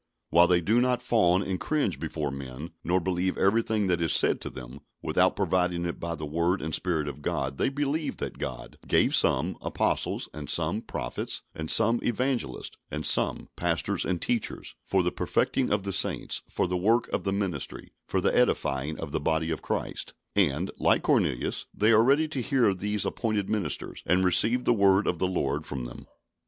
While they do not fawn and cringe before men, nor believe everything that is said to them, without proving it by the word and Spirit of God, they believe that God "gave some, apostles; and some, prophets; and some, evangelists; and some, pastors and teachers; for the perfecting of the saints, for the work of the ministry, for the edifying of the body of Christ"; and, like Cornelius, they are ready to hear these appointed ministers, and receive the word of the Lord from them.